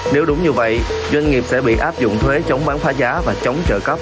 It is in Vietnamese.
nếu đúng như vậy doanh nghiệp sẽ bị áp dụng thuế chống bán phá giá và chống trợ cấp